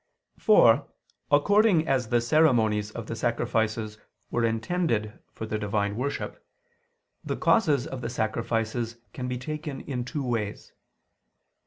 For, according as the ceremonies of the sacrifices were intended for the divine worship, the causes of the sacrifices can be taken in two ways.